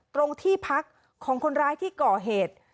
ตรงที่พักของคนร้ายที่ก่อเหตุ